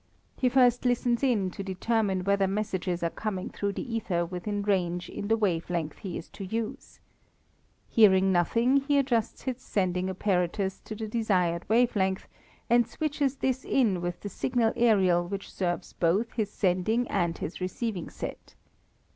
He first listens in to determine whether messages are coming through the ether within range in the wave length he is to use. Hearing nothing, he adjusts his sending apparatus to the desired wave length and switches this in with the signal aerial which serves both his sending and his receiving set.